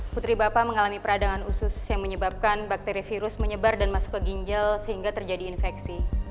putri bapak mengalami peradangan usus yang menyebabkan bakteri virus menyebar dan masuk ke ginjal sehingga terjadi infeksi